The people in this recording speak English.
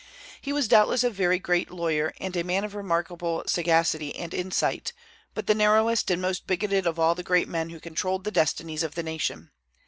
He was doubtless a very great lawyer and a man of remarkable sagacity and insight, but the narrowest and most bigoted of all the great men who controlled the destinies of the nation.